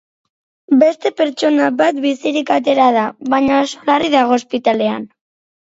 Beste pertsona bat bizirik atera da, baina oso larri dago ospitalean.